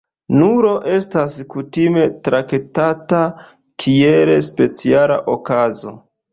Nulo estas kutime traktata kiel speciala okazo.